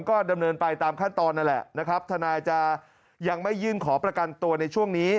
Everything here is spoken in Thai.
ก็ดำเนินไปตามขั้นตอนนั่นแหละนะครับทนายจะยังไม่ยื่นขอประกันตัวในช่วงนี้